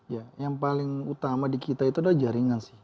ya yang paling utama di kita itu adalah jaringan sih